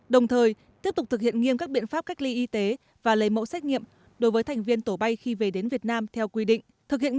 đồng thời tiếp tục thực hiện nghiêm các biện pháp cách ly y tế và lấy mẫu xét nghiệm đối với thành viên tổ bay khi về đến việt nam theo quy định